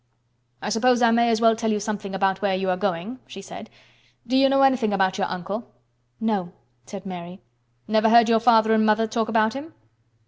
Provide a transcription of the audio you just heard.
"I suppose I may as well tell you something about where you are going to," she said. "Do you know anything about your uncle?" "No," said Mary. "Never heard your father and mother talk about him?"